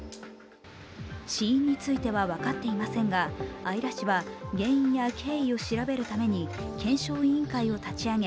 死因については分かっていませんが姶良市は原因や経緯を調べるために検証委員会を立ち上げ